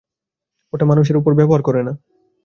ওটা মানুষের ওপর ব্যবহার করে না।